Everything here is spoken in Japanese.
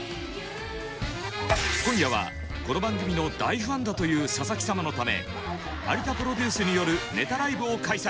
今夜はこの番組の大ファンだという佐々木様のため有田プロデュースによるネタライブを開催。